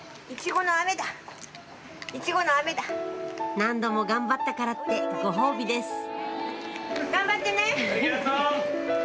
何度も頑張ったからってご褒美です頑張ってね！